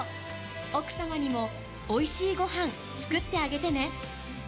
奥様にもおいしいごはん、作ってあげてね。